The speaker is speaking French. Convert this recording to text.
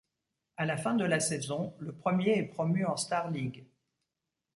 À la fin de la saison, le premier est promu en Starligue.